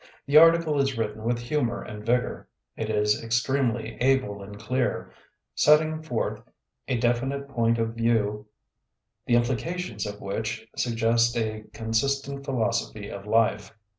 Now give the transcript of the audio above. The ar ticle is written with humor and vigor; it is extremely able and clear, setting forth a definite point of view the im plications of which suggest a consist ent philosophy of life.